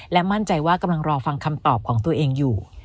มั่นใจว่ากำลังรอฟังคำตอบของตัวเองอยู่